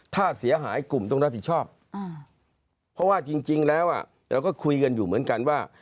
ถ้าเสียหายกลุ่มต้องรับผิดชอบเพราะว่าจริงแล้วเราก็คุยกันอยู่เหมือนกันว่า